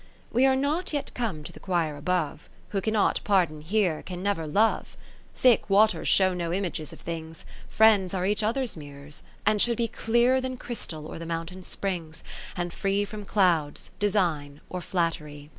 We are not yet come to the quire above : Who cannot pardon here, can never love. 60 XI Thick waters show no images of things : Friends are each other's mirrors, and should be Clearer than crystal or the mountain springs, And free from clouds, design or flattery.